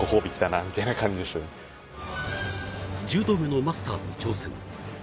１０度目のマスターズ挑戦。